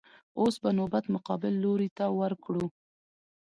اوس به نوبت مقابل لور ته ورکړو.